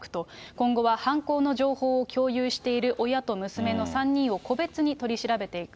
今後は犯行の情報を共有している親と娘の３人を個別に取り調べていく。